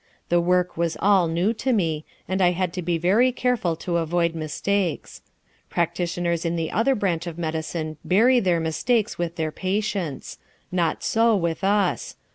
The work was all new to me, and I had to be very careful to avoid mistakes. Practitioners in the other branch of medicine bury their mistakes with their patients. Not so with us.